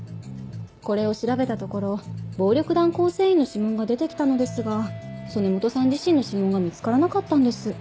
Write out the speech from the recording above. これを調べたところ暴力団構成員の指紋が出て来たのですが曽根本さん自身の指紋が見つからなかったんです。